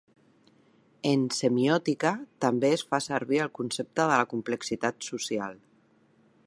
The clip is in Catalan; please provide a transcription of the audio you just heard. En semiòtica també es fa servir el concepte de la complexitat social.